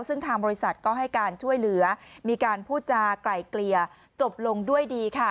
ซึ่งทางบริษัทก็ให้การช่วยเหลือมีการพูดจากไล่เกลี่ยจบลงด้วยดีค่ะ